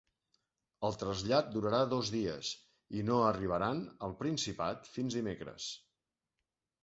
El trasllat durarà dos dies i no arribaran al Principat fins dimecres.